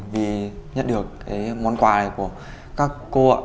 vì nhận được món quà này của các cô